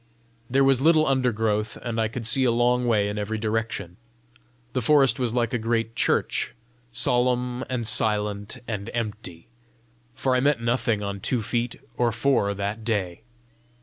There was little undergrowth, and I could see a long way in every direction. The forest was like a great church, solemn and silent and empty, for I met nothing on two feet or four that day.